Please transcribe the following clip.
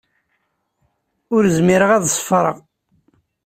Ur zmireɣ ad ṣeffreɣ.